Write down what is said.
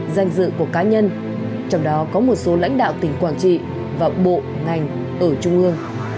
danh dự của cá nhân trong đó có một số lãnh đạo tỉnh quảng trị và bộ ngành ở trung ương